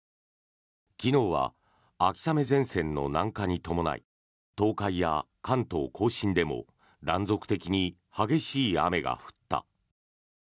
昨日は秋雨前線の南下に伴い東海や関東・甲信でも断続的に激しい雨が降った。